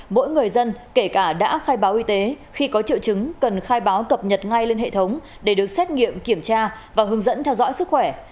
mỗi người dân kể cả đã khai báo y tế khi có triệu chứng cần khai báo cập nhật ngay lên hệ thống để được xét nghiệm kiểm tra và hướng dẫn theo dõi sức khỏe